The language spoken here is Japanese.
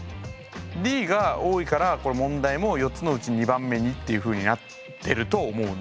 Ｄが多いからこれ問題も４つのうち２番目にっていうふうになってると思うんです。